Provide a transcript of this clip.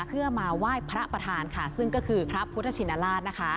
เพื่อมาไหว้พระประธานค่ะซึ่งก็คือพระพุทธชินราชนะคะ